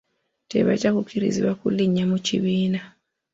Tebajja kukkirizibwa kulinnya mu kibiina.